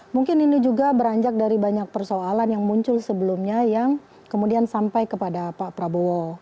mungkin ini juga beranjak dari banyak persoalan yang muncul sebelumnya yang kemudian sampai kepada pak prabowo